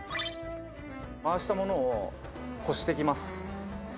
回したものをこしてきます。